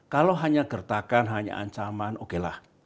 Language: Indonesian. kalau hanya gertakan hanya ancaman okelah